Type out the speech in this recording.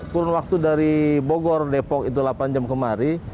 kurun waktu dari bogor depok itu delapan jam kemari